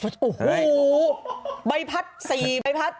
โอ้โหใบพัด๔ใบพัด